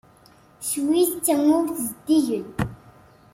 Swiss d tamurt zeddigen.